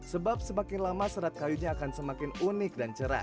sebab semakin lama serat kayunya akan semakin unik dan cerah